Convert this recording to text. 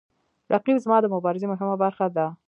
رقیب زما د مبارزې مهمه برخه ده